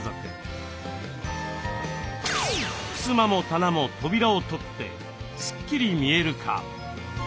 ふすまも棚も扉を取ってスッキリ見える化。